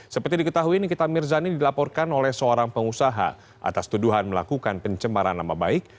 seperti diketahui nikita mirzani dilaporkan oleh seorang pengusaha atas tuduhan melakukan pencemaran nama baik